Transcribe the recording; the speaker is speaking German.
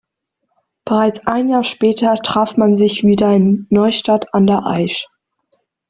Bereits ein Jahr später traf man sich wieder in Neustadt an der Aisch.